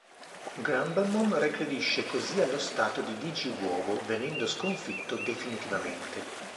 Grumblemon regredisce così allo stato di Digiuovo, venendo sconfitto definitivamente.